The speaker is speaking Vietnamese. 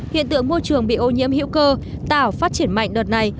hiện tượng môi trường bị ô nhiễm hữu cơ tạo phát triển mạnh đợt này